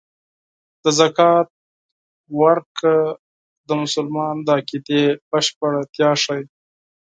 د زکات ورکړه د مسلمان د عقیدې بشپړتیا ښيي.